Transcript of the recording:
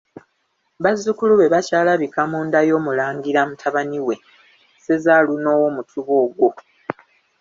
Bazzukulu be bakyalabika mu nda y'Omulangira mutabani we Sezaaluno ow'Omutuba ogwo.